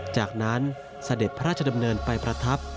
จากนั้นเสด็จพระราชดำเนินไปประทับ